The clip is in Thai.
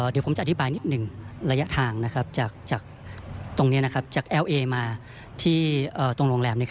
เดี๋ยวผมจะอธิบายนิดหนึ่งระยะทางนะครับจากตรงเนี้ยนะครับจากเอลเอมาที่ตรงโรงแรมเนี้ย